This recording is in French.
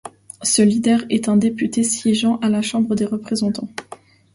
Ce leader est un député siégeant à la Chambre des représentants.